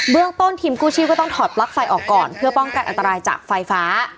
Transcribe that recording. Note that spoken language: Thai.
เรื่องต้นทีมกู้ชีพก็ต้องถอดปลั๊กไฟออกก่อนเพื่อป้องกันอันตรายจากไฟฟ้า